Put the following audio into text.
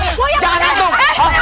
eh awas jangan tung